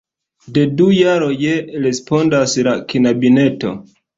De du jaroj, respondas la knabineto.